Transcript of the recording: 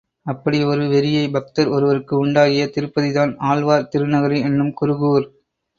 அப்படி ஒரு வெறியை பக்தர் ஒருவருக்கு உண்டாகிய திருப்பதி தான் ஆழ்வார் திருநகரி என்னும் குருகூர்.